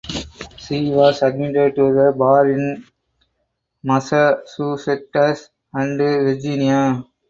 She was admitted to the bar in Massachusetts and Virginia.